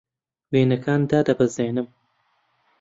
وێنەکان دادەبەزێنم.